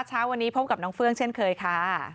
เช้าวันนี้พบกับน้องเฟื่องเช่นเคยค่ะ